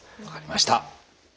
分かりました。